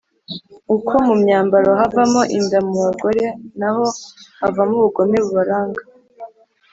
uko mu myambaro havamo inda, mu bagore naho havamo ubugome bubaranga.